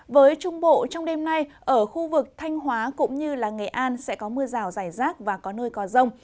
với trung bộ trong đêm nay ở khu vực thanh hóa cũng như nghệ an sẽ có mưa rào rải rác và có nơi có rông